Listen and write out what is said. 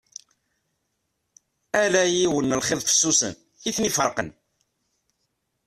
Ala yiwen n lxiḍ fessusen i ten-iferqen.